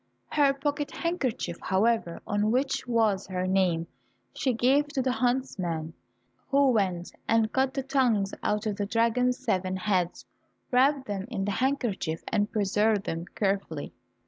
Her pocket handkerchief, however, on which was her name, she gave to the huntsman, who went and cut the tongues out of the dragon's seven heads, wrapped them in the handkerchief, and preserved them carefully.